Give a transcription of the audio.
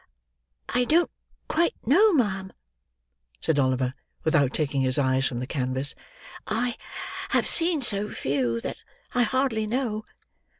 "I don't quite know, ma'am," said Oliver, without taking his eyes from the canvas; "I have seen so few that I hardly know.